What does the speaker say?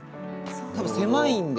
多分狭いんで。